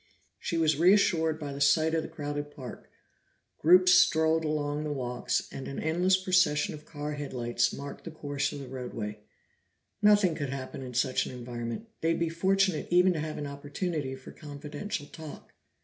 She was reassured by the sight of the crowded park; groups strolled along the walks, and an endless procession of car headlights marked the course of the roadway. Nothing could happen in such an environment; they'd be fortunate even to have an opportunity for confidential talk.